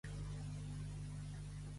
Cara gravada, gran mal amaga.